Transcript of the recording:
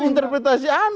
itu interpretasi anda